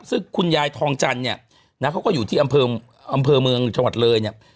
ซึ่งคุณยายทองจันทร์เนี่ยนะเขาก็อยู่ที่อำเภอเมืองจังหวัดเลยเนี่ย